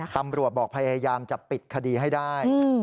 ตำรวจบอกพยายามจะปิดคดีให้ได้